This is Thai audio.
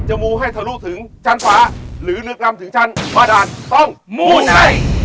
จะมูให้เถารุถึงชั้นฟ้าหรือนึกลำถึงชั้นพระดาลต้องมูไนท์